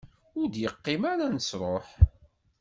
Ur d-yeqqim ara nesruḥ.